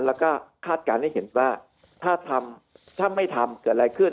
แล้วก็คาดการณ์ให้เห็นว่าถ้าทำถ้าไม่ทำเกิดอะไรขึ้น